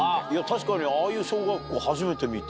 確かにああいう小学校初めて見た。